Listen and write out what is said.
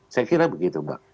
saya kira begitu mbak